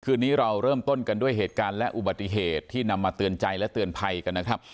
คืนนี้เราเริ่มต้นกันด้วยเหตุการณ์และอุบัติเหตุที่นำมาเตือนใจและเตือนภัยกันนะครับ